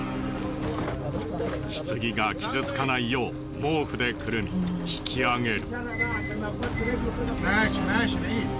棺が傷つかないよう毛布でくるみ引き上げる。